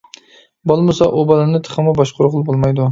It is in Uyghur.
بولمىسا ئۇ بالىنى تېخىمۇ باشقۇرغىلى بولمايدۇ.